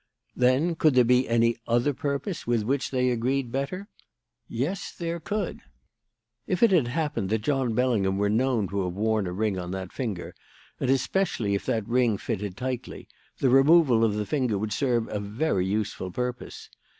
"Then, could there be any other purpose with which they agreed better? Yes, there could. "If it had happened that John Bellingham were known to have worn a ring on that finger, and especially if that ring fitted tightly, the removal of the finger would serve a very useful purpose.